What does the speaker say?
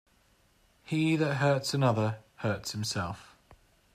He that hurts another, hurts himself.